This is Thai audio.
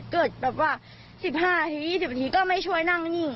เกิดแบบว่า๑๕นาที๒๐นาทีก็ไม่ช่วยนั่งนี่